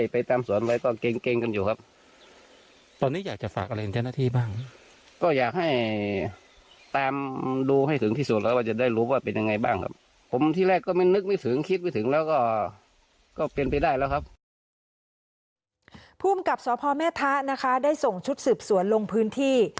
ภูมิกับสพแม่ทะนะคะได้ส่งชุดสืบสวนลงพื้นที่